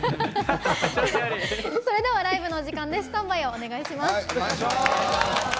それではライブのお時間です。